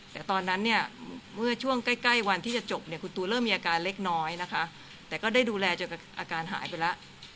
แต่ตอนนั้นเนี่ยเมื่อช่วงใกล้วันที่จะจบเนี่ยคุณตูเริ่มมีอาการเล็กน้อยนะคะแต่ก็ได้ดูแลจนอาการหายไปแล้ว